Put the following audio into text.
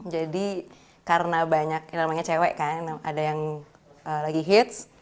jadi karena banyak ini namanya cewek kan ada yang lagi hits